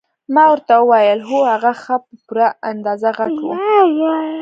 ما ورته وویل هو هغه ښه په پوره اندازه غټ وو.